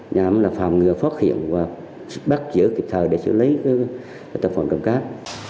nhằm phòng ngừa phát hiện và bắt giữ kịp thời để xử lý tội phạm đồng cáp